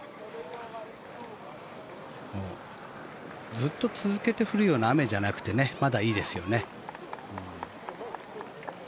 ずっと続けて降るような雨じゃなくてまだいいですよね。